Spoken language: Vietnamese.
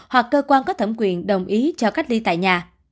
hoặc cơ quan có thẩm quyền đồng ý cho cách ly tại nhà